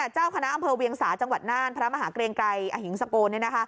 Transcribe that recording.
เจ้าคณะอำเภอเวียงสาจังหวัดน่านพระมหาเกรงไกรอหิงสโก